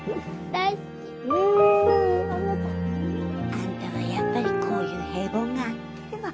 アンタはやっぱりこういう平凡が合ってるわ。